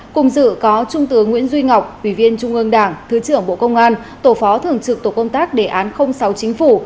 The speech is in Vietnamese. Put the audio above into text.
cùng dự có trung tướng nguyễn duy ngọc ủy viên trung ương đảng thứ trưởng bộ công an tổ phó thường trực tổ công tác đề án sáu chính phủ